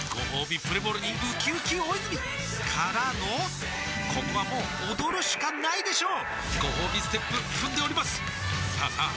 プレモルにうきうき大泉からのここはもう踊るしかないでしょうごほうびステップ踏んでおりますさあさあ